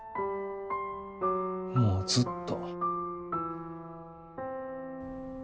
もうずっと。